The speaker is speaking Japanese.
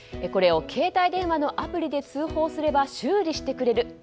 これを携帯電話のアプリで通報すれば修理してくれる。